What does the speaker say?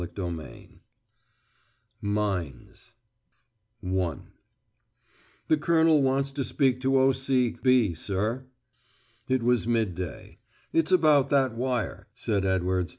CHAPTER XIII MINES I "The Colonel wants to speak to O.C. 'B,' sir." It was midday. "It's about that wire," said Edwards.